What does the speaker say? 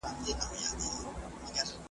که غوایی دي که وزې پکښی ایله دي .